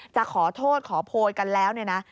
จะขอโทษขอโพลกันแล้วนะ